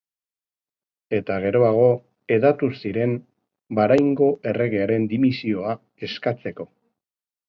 Eta geroago hedatu ziren Bahraingo Erregearen dimisioa eskatzeko.